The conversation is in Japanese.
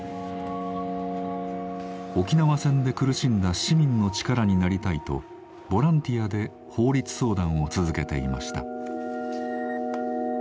沖縄戦で苦しんだ市民の力になりたいとボランティアで法律相談を続けていました。